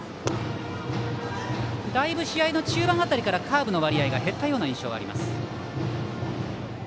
だいぶ試合中盤辺りから、上山はカーブの割合が減ったような印象があります。